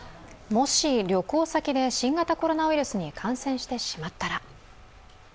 もし旅行先で新型コロナウイルスに感染してしまったら。